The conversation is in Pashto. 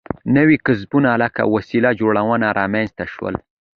نوي کسبونه لکه وسله جوړونه رامنځته شول.